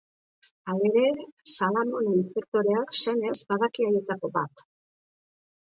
Halere, Salamone inspektoreak, senez, badaki haietako bat.